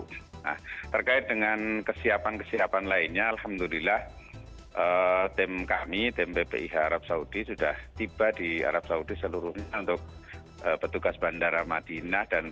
nah terkait dengan kesiapan kesiapan lainnya alhamdulillah tim kami tim ppih arab saudi sudah tiba di arab saudi seluruhnya untuk petugas bandara madinah